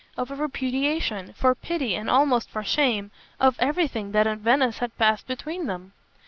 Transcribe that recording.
of a repudiation, for pity and almost for shame, of everything that in Venice had passed between them.